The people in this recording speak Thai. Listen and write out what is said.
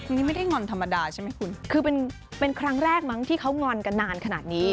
นี่ไม่ได้งอนธรรมดาใช่ไหมคุณคือเป็นครั้งแรกมั้งที่เขางอนกันนานขนาดนี้